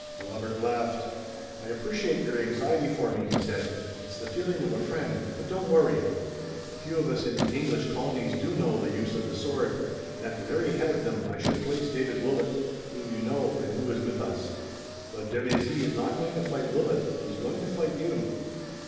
Robert laughed. "I appreciate your anxiety for me," he said. "It's the feeling of a friend, but don't worry. A few of us in the English colonies do know the use of the sword, and at the very head of them I should place David Willet, whom you know and who is with us." "But de Mézy is not going to fight Willet, he is going to fight you."